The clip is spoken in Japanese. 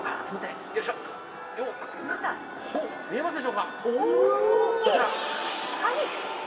見えますでしょうか、こちら。